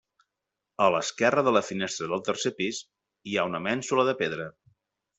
A l'esquerra de la finestra del tercer pis hi ha una mènsula de pedra.